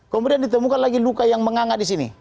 kemudian ditemukan lagi luka yang mengangat di sini